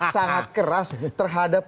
sangat keras terhadap